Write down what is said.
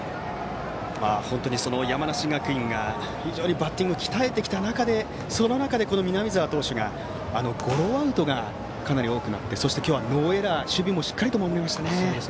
本当に、山梨学院が非常にバッティングを鍛えてきたその中で南澤投手がゴロアウトが多くなってそして、今日はノーエラーと守備もしっかりと守りましたね。